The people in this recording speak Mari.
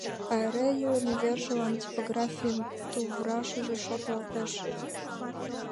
А эре илыме вержылан типографийын туврашыже шотлалтеш.